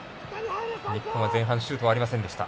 日本、前半、シュートはありませんでした。